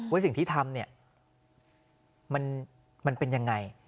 สิ่งที่ทำเนี่ยมันเป็นยังไง